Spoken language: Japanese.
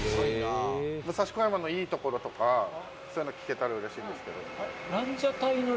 武蔵小山のいいところとかそういうの聞けたらうれしいんですけど。